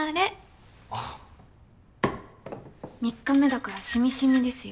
３日目だから染み染みですよ。